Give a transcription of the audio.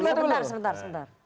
sebentar sebentar sebentar